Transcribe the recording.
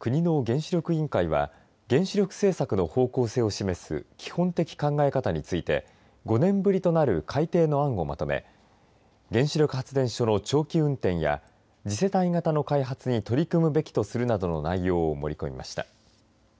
国の原子力委員会は原子力政策の方向性を示す基本的考え方について５年ぶりとなる改定の案をまとめ電子力発電所の長期運転や次世代型の開発に取り組むべきとするなどの内容を盛り込みました。